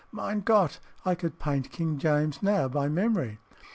Mine Gott, I could paint King James now by memory.